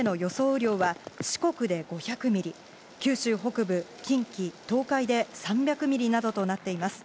雨量は、四国で５００ミリ、九州北部、近畿、東海で３００ミリなどとなっています。